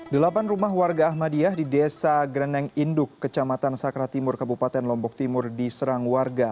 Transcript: delapan rumah warga ahmadiyah di desa greneng induk kecamatan sakra timur kabupaten lombok timur diserang warga